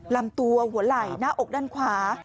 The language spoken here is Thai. ลำตัวหัวไหล่หน้าอกด้านขวา